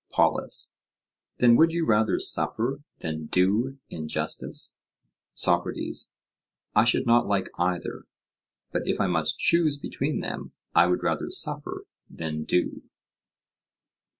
POLUS: Then would you rather suffer than do injustice? SOCRATES: I should not like either, but if I must choose between them, I would rather suffer than do.